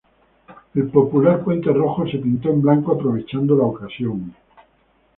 El popular puente rojo se pintó en blanco aprovechando la ocasión.